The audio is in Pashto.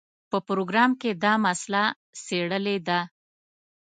په پروګرام کې دا مسله څېړلې ده.